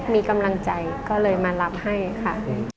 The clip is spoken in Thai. มีกำลังใจก็เลยมารับให้ค่ะ